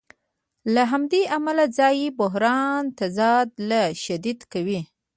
له همدې ځایه بحرانونه تضاد لا شدید کوي